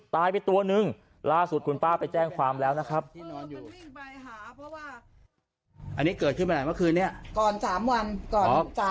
ก่อน๓ย่างวันที่๔อ่ะอืมก่อนหน้านี้เออก่อนหน้านี้๓วันเออ